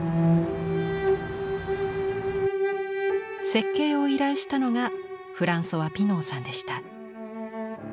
設計を依頼したのがフランソワ・ピノーさんでした。